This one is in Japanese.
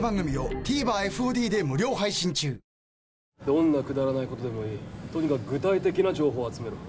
どんなくだらないことでもいいとにかく具体的な情報を集めろ。